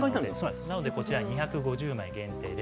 なので、こちら２５０枚限定で。